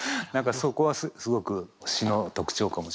そこはすごく詞の特徴かもしれない。